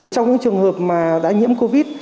trong những trường hợp mà đã nhiễm covid